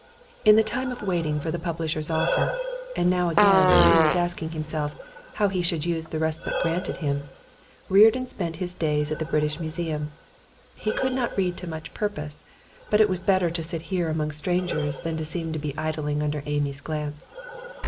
In the time of waiting for the publishers' offer, and now again when he was asking himself how he should use the respite granted him, Reardon spent his days at the British Museum. He could not read to much purpose, but it was better to sit here among strangers than seem to be idling under Amy's glance.